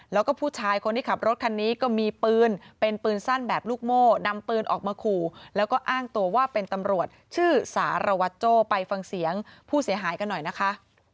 แล้วก็ผู้ชายคนที่ขับรถคันนี้ก็มีปืนเป็นปืนสั้นแบบลูกโม่นำปืนออกมาขู่แล้วก็อ้างตัวว่าเป็นตำรวจชื่อสารวัตรโจ้ไปฟังเสียงผู้เสียหายกันหน่อยนะคะ